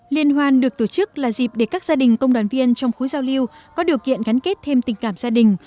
liên hoan được tổ chức là dịp để các gia đình công đoàn viên trong khối giao lưu có điều kiện gắn kết thêm tình cảm gia đình